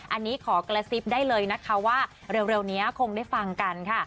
อันนี้ขอกระซิบได้เลยนะคะว่าเร็วนี้คงได้ฟังกันค่ะ